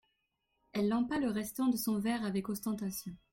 Elle lampa le restant de son verre avec ostentation.